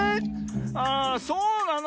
あらそうなの。